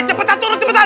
ayo cepetan turun cepetan